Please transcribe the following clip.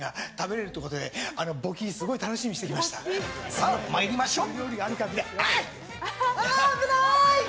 さあ、参りましょう。